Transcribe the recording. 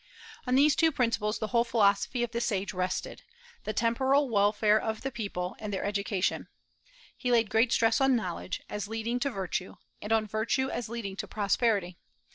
On these two principles the whole philosophy of the sage rested, the temporal welfare of the people, and their education. He laid great stress on knowledge, as leading to virtue; and on virtue, as leading to prosperity.